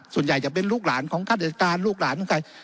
ส่วนใหญ่จะเป็นลูกหลานของฆาติศกาลลูกหลานใคร